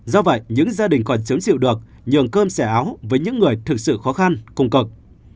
do vậy những gia đình còn chống chịu được nhường cơm xẻ áo với những người thực sự khó khăn công cực